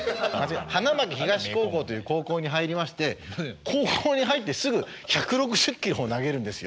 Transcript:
花巻東高校という高校に入りまして高校に入ってすぐ１６０キロを投げるんですよ。